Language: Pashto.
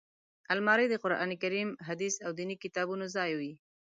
الماري د قران کریم، حدیث او ديني کتابونو ځای وي